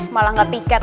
malah ga piket